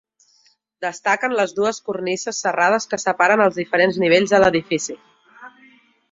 Destaquen les dues cornises serrades que separen els diferents nivells de l'edifici.